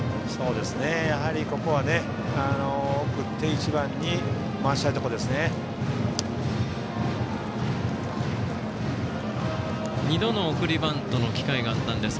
ここは送って１番に回したいところです。